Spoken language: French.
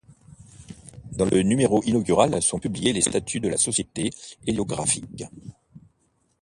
Dans le numéro inaugural, sont publiés les statuts de la Société héliographique.